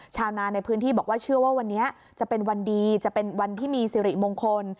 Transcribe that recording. ชาวนาในพื้นที่บอกว่าเชื่อว่าวันนี้จะเป็นวันดีจะเป็นวันที่มีสิริมงคล